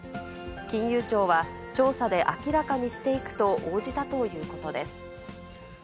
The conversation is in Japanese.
金融庁は、調査で明らかにしていくと応じたということです。